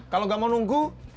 kalau gak mau nunggu